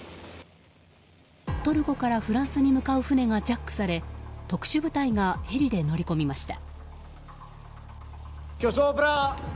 トルコからフランスに向かう船がジャックされ特殊部隊がヘリで乗り込みました。